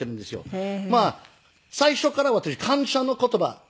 まあ最初から私感謝の言葉